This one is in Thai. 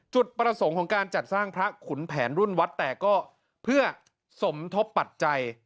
จุดประสงค์ของการจัดสร้างพระขุนแผนรุ่นวัดแต่ก็เพื่อสมทบปัจจัย